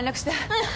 うん。